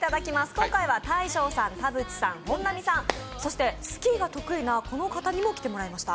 今回は大昇さん、田渕さん、本並さん、そしてスキーが得意なこの方にも来てもらいました。